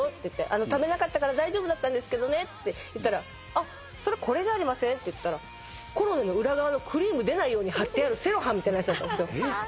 「食べなかったから大丈夫だったんですけどね」って言ったら「それこれじゃありません？」ってコロネの裏側のクリーム出ないようにはってあるセロハンみたいなやつだったんですよ。